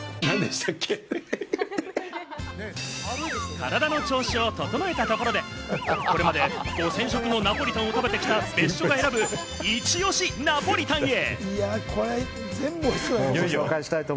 体の調子を整えたところで、これまで５０００食のナポリタンを食べてきた別所が選ぶイチ推しナポリタンへ。